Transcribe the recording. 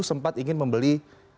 sempat ingin membeli